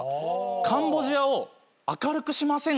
カンボジアを明るくしませんか？